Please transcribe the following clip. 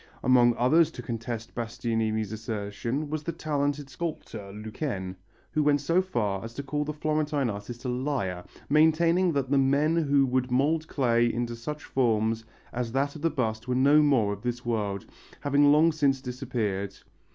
Among others to contest Bastianini's assertion was the talented sculptor Lequesne, who went so far as to call the Florentine artist a liar, maintaining that the men who could mould clay into such forms as that of the bust were no more of this world, having long since disappeared.